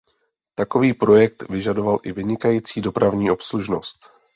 Takový projekt vyžadoval i vynikající dopravní obslužnost.